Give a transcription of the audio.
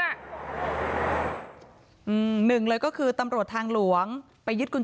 แล้วเดี๋ยวเล่าความคลิปกันก่อน